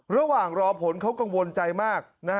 ระหว่างรอผลเขากังวลใจมาก